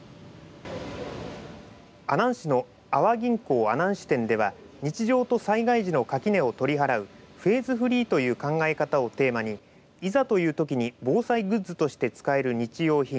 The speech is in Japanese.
阿南市の阿波銀行阿南支店では日常と災害時の垣根を取り払うフェーズフリーという考え方をテーマにいざというときに防災グッズとして使える日用品